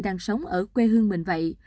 đang sống ở quê hương mình vậy